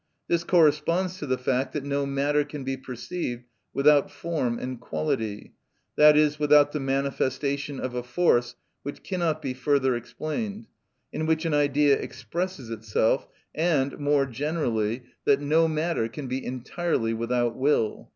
This corresponds to the fact that no matter can be perceived without form and quality, i.e., without the manifestation of a force which cannot be further explained, in which an Idea expresses itself, and, more generally, that no matter can be entirely without will.